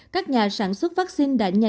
các nhà sản xuất vaccine đã nhanh chóng